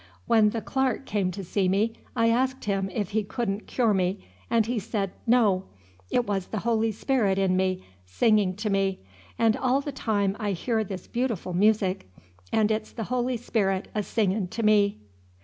When the clark came to see me, I asked him if he couldn't cure me, and he said, No, it was the Holy Spirit in me, singing to me; and all the time I hear this beautiful music, and it's the Holy Spirit a singing to me."